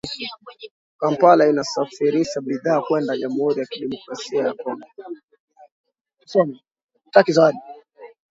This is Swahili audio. Kampala inasafirisha bidhaa kwenda jamhuri ya kidemokrasia ya Kongo